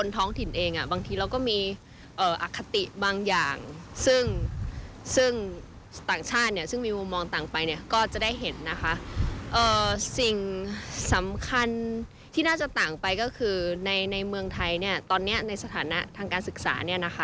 ตอนนี้ในสถานะทางการศึกษา